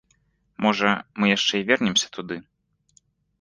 Можа, мы яшчэ і вернемся туды.